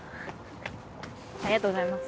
ありがとうございます。